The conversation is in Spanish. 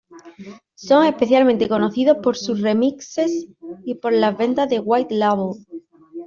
Son especialmente conocidos por sus remixes y por las ventas de white label.